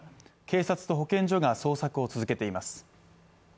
警察と保健所が捜索を続けています。